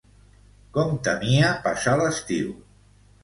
Com temia passar l'estiu?